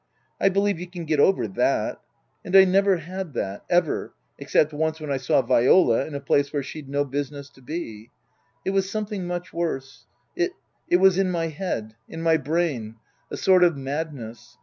I believe you can get over that. And I never had that ever, except once when I saw Viola in a place where she'd no business to be. It was some thing much worse. It it was in my head in my brain. A sort of madness.